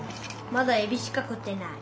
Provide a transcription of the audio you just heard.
まだえびしか食ってない。